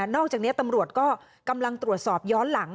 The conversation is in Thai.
นอกจากนี้ตำรวจก็กำลังตรวจสอบย้อนหลัง